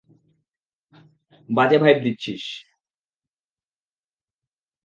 বাজে ভাইব দিচ্ছিস!